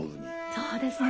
そうですね。